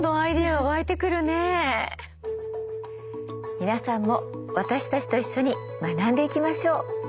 皆さんも私たちと一緒に学んでいきましょう。